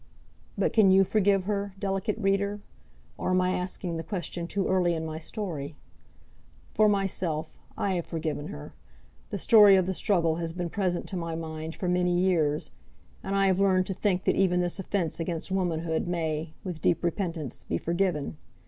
But can you forgive her, delicate reader? Or am I asking the question too early in my story? For myself, I have forgiven her. The story of the struggle has been present to my mind for many years, and I have learned to think that even this offence against womanhood may, with deep repentance, be forgiven.